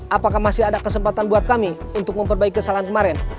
apakah masih ada kesempatan buat kami untuk memperbaiki kesalahan kemarin